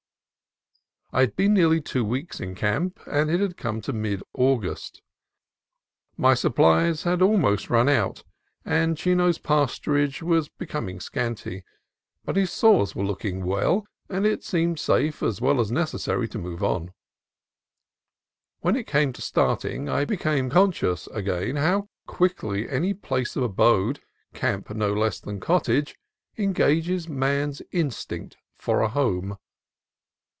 I had been nearly two weeks in camp, and it had come to mid August. My supplies had almost run out, and Chino's pasturage was becoming scanty; A HOT CLIMB 173 but his sores were looking well, and it seemed safe, as well as necessary, to move on. When it came to starting, I became conscious again how quickly any place of abode, camp no less than cottage, engages man's instinct for a home.